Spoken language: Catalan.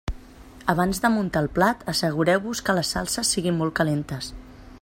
Abans de muntar el plat, assegureu-vos que les salses siguin molt calentes.